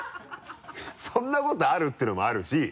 そんなことある？っていうのもあるし。